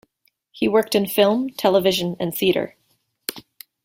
He worked in film, television and theatre.